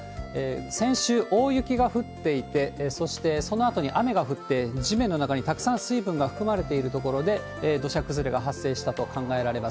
先週、大雪が降っていて、そしてそのあとに雨が降って、地面の中にたくさん水分が含まれている所で土砂崩れが発生したと考えられます。